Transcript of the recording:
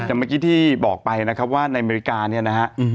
เมื่อกี้ที่บอกไปนะครับว่าในอเมริกาเนี่ยนะฮะ